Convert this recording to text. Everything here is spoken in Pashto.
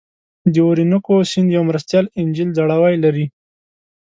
د اورینوکو سیند یوه مرستیال انجیل ځړوی لري.